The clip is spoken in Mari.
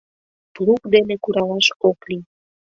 Плуг дене куралаш ок лий.